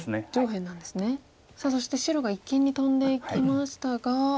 さあそして白が一間にトンでいきましたが。